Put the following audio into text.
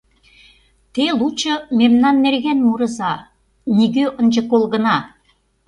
Те лучо мемнан нерген мурыза, нигӧ ынже кол гына.